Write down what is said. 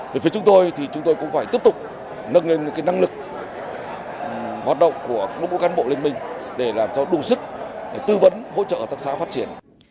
về phía chúng tôi thì chúng tôi cũng phải tiếp tục nâng lên năng lực hoạt động của đội quốc cán bộ liên minh để làm cho đủ sức tư vấn hỗ trợ tác xã phát triển